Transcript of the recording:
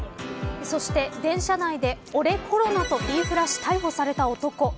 そして、電車内で俺コロナと言いふらし逮捕された男